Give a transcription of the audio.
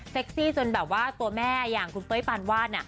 ซี่จนแบบว่าตัวแม่อย่างคุณเป้ยปานวาด